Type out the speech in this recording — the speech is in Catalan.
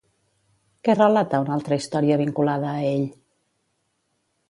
Què relata una altra història vinculada a ell?